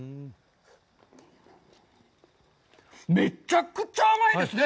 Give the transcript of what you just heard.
めっちゃくちゃ甘いですね！